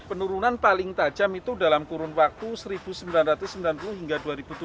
penurunan paling tajam itu dalam kurun waktu seribu sembilan ratus sembilan puluh hingga dua ribu tujuh belas